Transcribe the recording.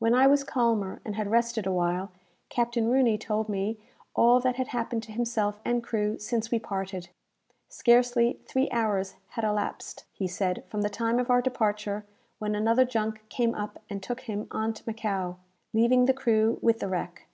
When I was calmer, and had rested awhile, Captain Rooney told me all that had happened to himself and crew since we parted. Scarcely three hours had elapsed, he said, from the time of our departure, when another junk came up and took him on to Macao, leaving the crew with the wreck.